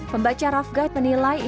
pembaca rough guide menilai indonesia